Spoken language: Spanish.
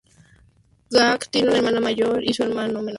Gackt tiene una hermana mayor y un hermano menor.